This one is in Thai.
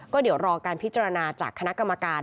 ก็เดี๋ยวรอการพิจารณาจากคณะกรรมการ